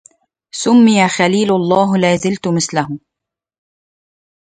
سمي خليل الله لا زلت مثله